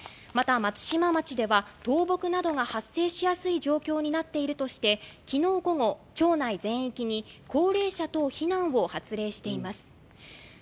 また松島町では倒木などが発生しやすい状況になっているとして、昨日午後、場内全域に高齢者等避難を発令しています。